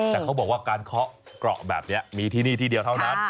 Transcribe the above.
แต่เขาบอกว่าการเคาะเกราะแบบนี้มีที่นี่ที่เดียวเท่านั้น